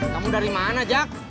kamu dari mana jack